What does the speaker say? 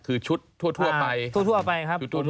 คือชุดทั่วไป